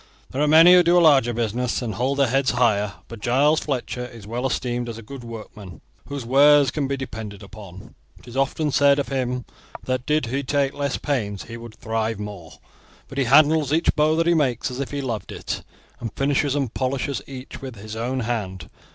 "There are many who do a larger business, and hold their heads higher; but Giles Fletcher is well esteemed as a good workman, whose wares can be depended upon. It is often said of him that did he take less pains he would thrive more; but he handles each bow that he makes as if he loved it, and finishes and polishes each with his own hand.